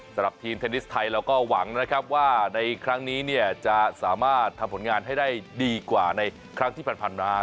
สำหรับทีมเทนนิสไทยเราก็หวังนะครับว่าในครั้งนี้เนี่ยจะสามารถทำผลงานให้ได้ดีกว่าในครั้งที่ผ่านมา